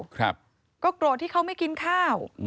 ก็โกรธที่เขาไม่กินข้าว